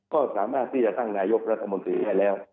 ก็สามารถที่จะตั้งนายกรัฐมนตรีได้แล้ว